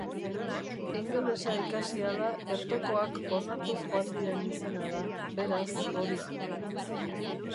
Ingelesa ikasi ahala bertokoak onartuz joan diren izena da, beraz, hori.